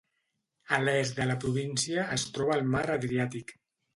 A l'est de la província, es troba el Mar Adriàtic.